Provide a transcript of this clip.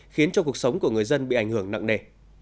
khiến cho cuộc sống của người dân bị ảnh hưởng nặng nề